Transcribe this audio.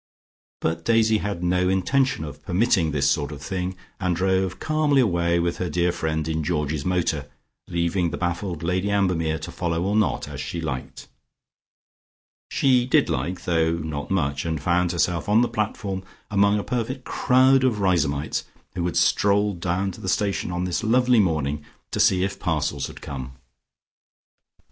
But Daisy had no intention of permitting this sort of thing, and drove calmly away with her dear friend in Georgie's motor, leaving the baffled Lady Ambermere to follow or not as she liked. She did like, though not much, and found herself on the platform among a perfect crowd of Riseholmites who had strolled down to the station on this lovely morning to see if parcels had come.